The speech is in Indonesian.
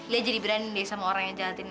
lia jadi berani deh sama orang yang jahatin lia